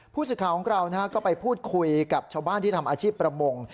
ผู้สื่อข่าวของเราก็ไปพูดคุยกับชาวบ้านที่ทำอาชีพประมง